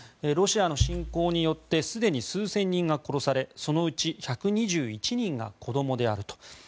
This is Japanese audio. ロシアの侵攻によってすでに数千人が殺されそのうち１２１人が子どもであると。